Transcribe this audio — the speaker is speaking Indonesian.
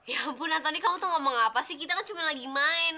ya ampun antoni kamu tuh ngomong apa sih kita kan cuma lagi main